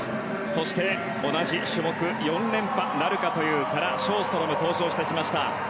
そして同じ種目４連覇なるかというサラ・ショーストロムが登場してきました。